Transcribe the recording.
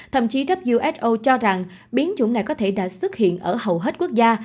thậm chí who cho rằng biến chủng này có thể đã xuất hiện ở hầu hết quốc gia